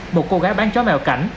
một cô gái bán chó mèo cảnh